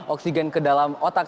oksigen ke dalam otak